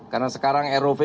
karena sekarang rov